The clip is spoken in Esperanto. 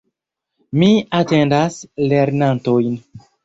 Mi atendas lernantojn.